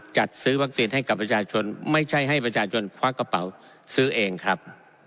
จัดซื้อวัคซีนให้กับประชาชนไม่ใช่ให้ประชาชนควักกระเป๋าซื้อเองครับ